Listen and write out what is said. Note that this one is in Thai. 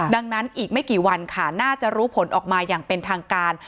ดังนั้นอีกไม่กี่วันค่ะน่าจะรู้ผลออกมาอย่างเป็นทางการ